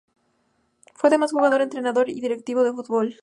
Fue además jugador, entrenador y directivo de fútbol.